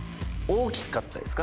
大きかったです